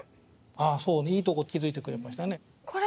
あそういいとこ気付いてくれましたね。